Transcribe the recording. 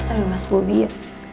aduh mas bobi ya